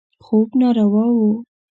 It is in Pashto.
خوب ناروا و.